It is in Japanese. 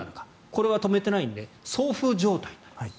これは止めていないので送風状態。